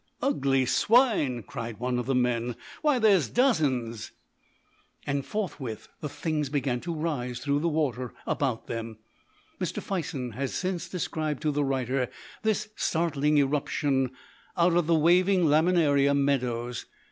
"Ugly swine!" cried one of the men. "Why, there's dozens!" And forthwith the things began to rise through the water about them. Mr. Fison has since described to the writer this startling eruption out of the waving laminaria meadows.